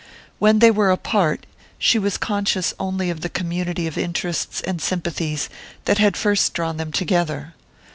When they were apart, she was conscious only of the community of interests and sympathies that had first drawn them together.